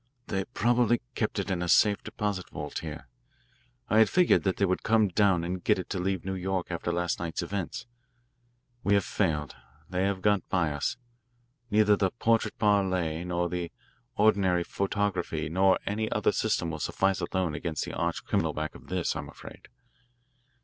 They probably kept it in a safe deposit vault here. I had figured that they would come down and get it and leave New York after last night's events. We have failed they have got by us. Neither the 'portrait parle' nor the ordinary photography nor any other system will suffice alone against the arch criminal back of this, I'm afraid.